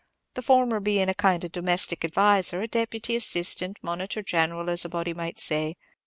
The former bein' a kind of domestic adviser, a deputy assistant, monitor general, as a body might say.